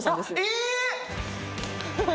えっ！